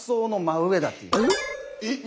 えっ？